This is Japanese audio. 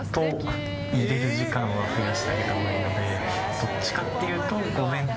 どっちかっていうと。